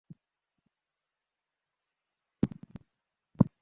মগে করে পানি এনে পাখিটার মাথায় একটু একটা করে ঢালতে শুরু করলাম।